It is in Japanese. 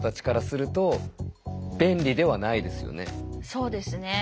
そうですね。